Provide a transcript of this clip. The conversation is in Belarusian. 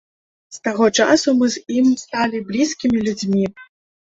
З таго часу мы з ім сталі блізкімі людзьмі.